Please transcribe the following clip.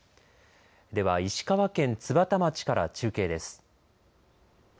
では石川県津幡町から中継です。